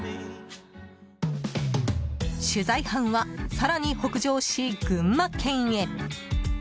取材班は更に北上し、群馬県へ。